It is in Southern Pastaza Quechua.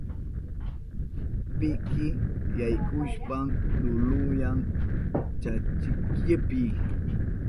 Piki yaykushpan lulunyan chakinchipi.